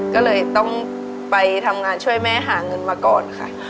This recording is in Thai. ก็เลยต้องไปทำงานช่วยแม่หาเงินมาก่อนค่ะ